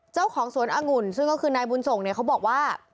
เจ้าของสวนองุ่นซึ่งก็คือนายบุญส่งเนี่ยเขาบอกว่า